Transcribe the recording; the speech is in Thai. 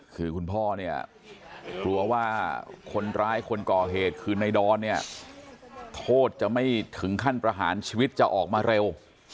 คือคุณพ่อเนี่ยกลัวว่าคนร้ายคนก่อเหตุคือในดอนเนี่ยโทษจะไม่ถึงขั้นประหารชีวิตจะออกมาเร็ว